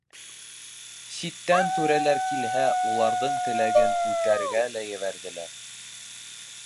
Ситтән түрәләр килһә, уларҙың теләген үтәргә лә ебәрҙеләр.